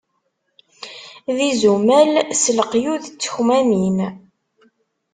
D izumal s leqyud d tekmamin!